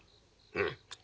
うん。